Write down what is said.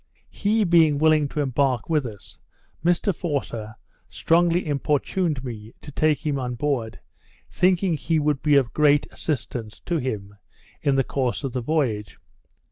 He being willing to embark with us, Mr Forster strongly importuned me to take him on board, thinking that he would be of great assistance to him in the course of the voyage.